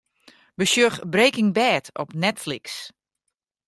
Besjoch 'Breaking Bad' op Netflix.